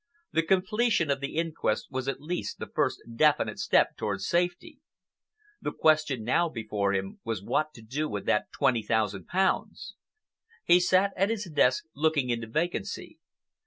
The completion of the inquest was at least the first definite step toward safety. The question now before him was what to do with that twenty thousand pounds. He sat at his desk, looking into vacancy.